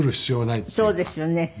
そうですよね。